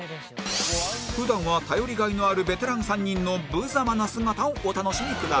普段は頼りがいのあるベテラン３人の無様な姿をお楽しみください